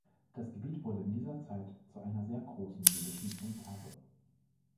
Das Gebiet wurde in dieser Zeit zu einer sehr großen jüdischen Enklave.